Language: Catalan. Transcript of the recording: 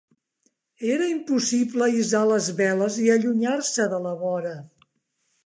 Era impossible hissar les veles i allunyar-se de la vora.